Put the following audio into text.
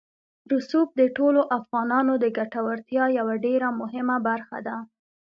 رسوب د ټولو افغانانو د ګټورتیا یوه ډېره مهمه برخه ده.